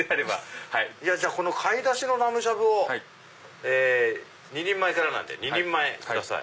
この貝ダシのラムしゃぶを２人前からなんで２人前下さい。